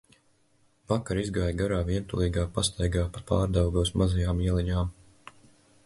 Vakar izgāju garā, vientulīgā pastaigā pa Pārdaugavas mazajām ieliņām.